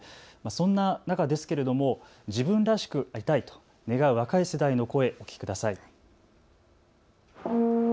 そんな中ですけれども自分らしくありたいと願う若い世代の声をお聞きください。